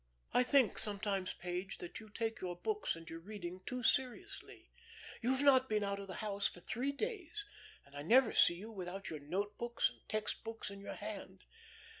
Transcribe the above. "I think sometimes, Page, that you take your books and your reading too seriously. You've not been out of the house for three days, and I never see you without your note books and text books in your hand.